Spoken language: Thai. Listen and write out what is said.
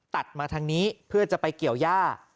ตัดมาทางนี้เพื่อจะไปเกี่ยวย่า